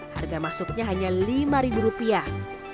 harga masuknya hanya lima rupiah